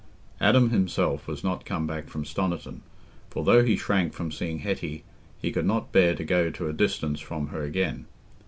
Adam himself was not come back from Stoniton, for though he shrank from seeing Hetty, he could not bear to go to a distance from her again.